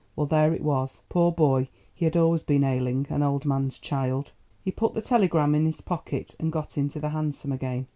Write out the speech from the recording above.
Well, there it was. Poor boy, he had always been ailing—an old man's child! He put the telegram in his pocket and got into the hansom again.